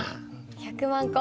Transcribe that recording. １００万個。